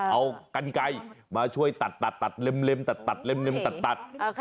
เอากันไกลมาช่วยตัดตัดเล็มตัดเล็มตัด